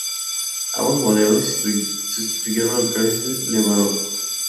Ambos modelos sustituyeron al Chrysler LeBaron.